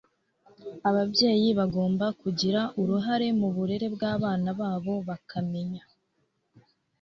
ababyeyi bagomba kugira uruhare mu burere bw'abana babo, bakamenya